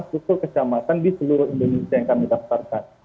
susul kesamatan di seluruh indonesia yang kami daftarkan